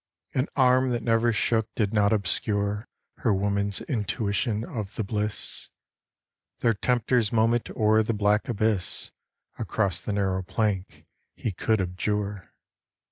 An arm that never shook did not obscure Her woman's intuition of the bliss Their tempter's moment o'er the black abyss, Across the narrow plank he could abjure.